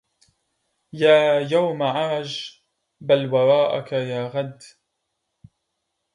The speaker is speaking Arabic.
يا يوم عرج بل وراءك يا غد